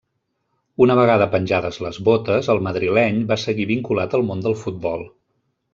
Una vegada penjades les botes, el madrileny va seguir vinculat al món del futbol.